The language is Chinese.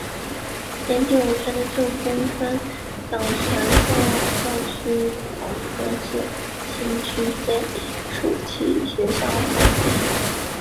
沿着永田川的旧宫川小学校校区与皇德寺新市区皆属于其学区范围内。